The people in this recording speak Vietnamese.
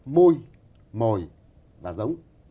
môi mồi và giống